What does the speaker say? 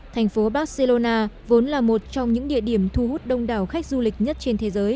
thành phố barcelona vốn là một trong những địa điểm thu hút đông đảo khách du lịch nhất trên thế giới